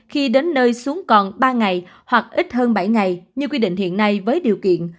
khi đến nơi xuống còn ba ngày hoặc ít hơn bảy ngày như quy định hiện nay với điều kiện